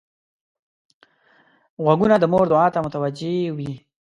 غوږونه د مور دعا ته متوجه وي